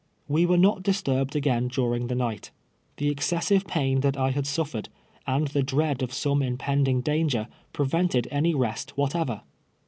AVe were not disturbed again during the night. The excessive \Kun that I sutiered, and the dread of some impending danger, prevented any rest whatever.